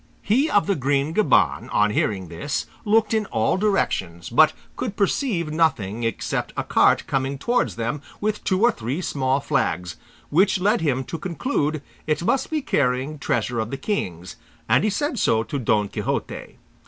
He of the green gaban, on hearing this, looked in all directions, but could perceive nothing, except a cart coming towards them with two or three small flags, which led him to conclude it must be carrying treasure of the King's, and he said so to Don Quixote.